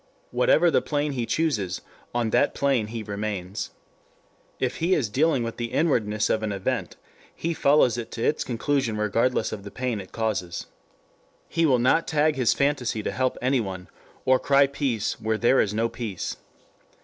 Whatever the plane he chooses, on that plane he remains. If he is dealing with the inwardness of an event he follows it to its conclusion regardless of the pain it causes. He will not tag his fantasy to help anyone, or cry peace where there is no peace.